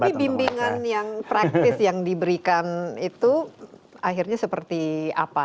tapi bimbingan yang praktis yang diberikan itu akhirnya seperti apa